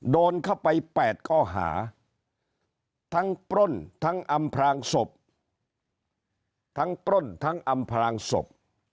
โดนเข้าไป๘ข้อหาทั้งปล้นทั้งอำพลางศพทั้งปล้นทั้งอำพลางศพ